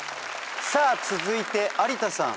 さあ続いて有田さん。